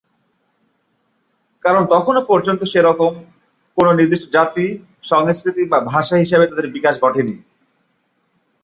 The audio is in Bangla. কারণ তখনও পর্যন্ত সেরকম কোনও নির্দিষ্ট জাতি, সংস্কৃতি বা ভাষা হিসেবে তাদের বিকাশ ঘটেনি।